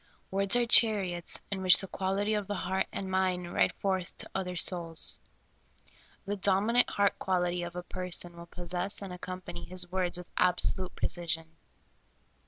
Words are chariots in which the quality of the heart and mind ride forth to other souls. The dominant heart quality of a person will possess and accompany his words with absolute precision.